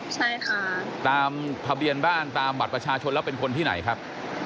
ใช่ค่ะตามทะเบียนบ้านตามบัตรประชาชนแล้วเป็นคนที่ไหนครับ